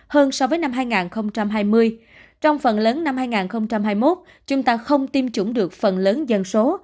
hơn so với năm hai nghìn hai mươi trong phần lớn năm hai nghìn hai mươi một chúng ta không tiêm chủng được phần lớn dân số